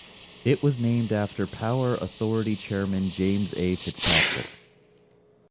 It was named after Power Authority Chairman James A. FitzPatrick.